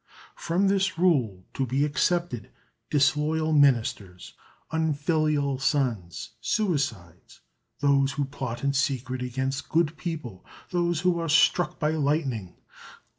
From this rule to be excepted disloyal ministers, unfilial sons, suicides, those who plot in secret against good people, those who are struck by lightning (_lit.